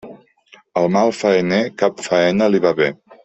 Al malfaener, cap faena li ve bé.